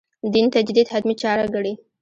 دین تجدید «حتمي» چاره ګڼي.